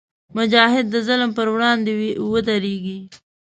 مجاهد د ظلم پر وړاندې ودریږي.